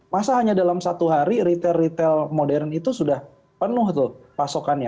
masa hanya dalam satu hari retail retail modern itu sudah penuh tuh pasokannya